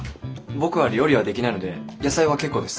僕は料理はできないので野菜は結構です。